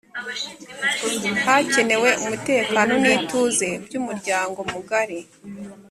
hakenewe umutekano n’ituze by’umuryango mugari